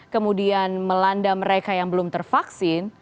kemudian melanda mereka yang belum tervaksin